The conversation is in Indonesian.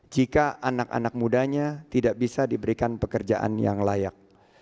jika anak anak mudanya tidak bisa diberikan pekerjaan yang layak